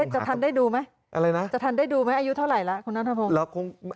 จะทันได้ดูมั้ยอะไรนะจะทันได้ดูมั้ยอายุเท่าไหร่ละคุณนัทธัพพงศ์